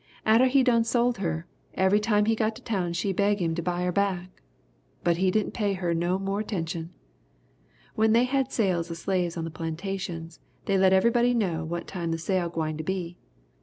Atter he done sold her, every time he got to town she beg 'im to buy her back! But he didn' pay her no more 'tention. When they had sales of slaves on the plantations they let everybody know what time the sale gwine to be.